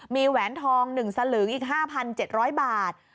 มีแหวนทอง๑สลึงอีก๕๗๐๐บาท